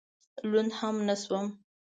لوند هم نه شوم.